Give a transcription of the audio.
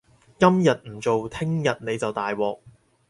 今日唔做，聽日你就大鑊